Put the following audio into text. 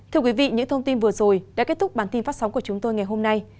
thưa quý vị những thông tin vừa rồi đã kết thúc bản tin phát sóng của chúng tôi ngày hôm nay